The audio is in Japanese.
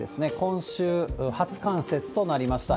今週、初冠雪となりました。